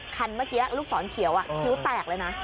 คันเมื่อกี้ลูกศรเขียวคิ้วแตกเลยนะ